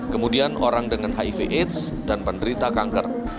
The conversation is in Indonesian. kemudian orang dengan hiv aids dan penderita kanker